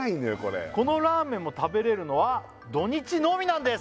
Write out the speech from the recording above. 「このラーメンも食べれるのは土・日のみなんです」